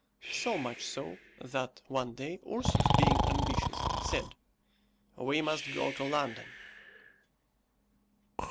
So much so, that, one day, Ursus, being ambitious, said, "We must go to London."